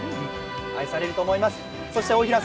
愛されると思います。